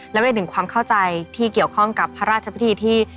แล้วก็อีกหนึ่งความเข้าใจที่เกี่ยวข้องกับพระราชพิธีที่